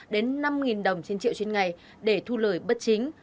đến năm đồng trên triệu trên ngày để thu lời bất chính